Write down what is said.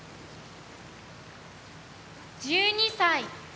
１２歳。